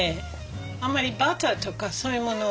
あんまりバターとかそういうもの